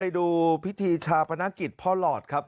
ไปดูพิธีชาปนกิจพ่อหลอดครับ